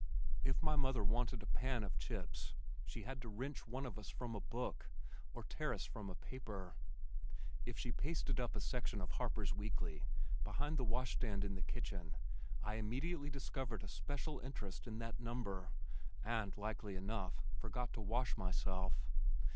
If my mother wanted a pan of chips she had to wrench one of us from a book, or tear us from a paper. If she pasted up a section of Harper's Weekly behind the washstand in the kitchen, I immediately discovered a special interest in that number, and likely enough forgot to wash myself.